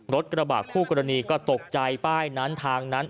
กระบาดคู่กรณีก็ตกใจป้ายนั้นทางนั้น